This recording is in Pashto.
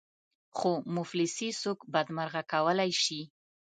خو مفلسي څوک بدمرغه کولای شي.